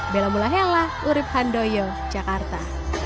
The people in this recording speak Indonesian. bella mula hela urib handoyo jakarta